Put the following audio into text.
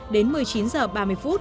đến một mươi chín h ba mươi phút